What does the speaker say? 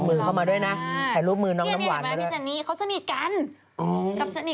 นะสักอย่างพวกอะไรแบบนี้ประมาณนี้